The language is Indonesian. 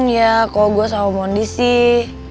ya kalau gua sama mondi sih